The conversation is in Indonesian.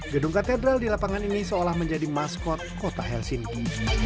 gedung katedral di lapangan ini seolah menjadi maskot kota helsinki